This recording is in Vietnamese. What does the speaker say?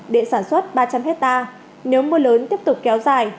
điện sản xuất ba trăm linh hectare nếu mưa lớn tiếp tục kéo dài